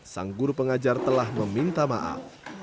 sang guru pengajar telah meminta maaf